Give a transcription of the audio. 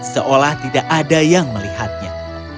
seolah tidak ada yang melihatnya